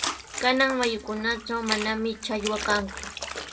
Kanan mayukunatraw mananami challwa kanku.